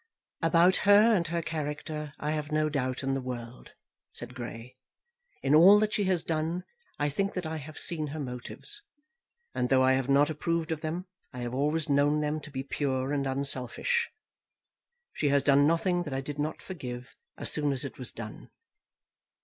"About her and her character I have no doubt in the world," said Grey. "In all that she has done I think that I have seen her motives; and though I have not approved of them, I have always known them to be pure and unselfish. She has done nothing that I did not forgive as soon as it was done.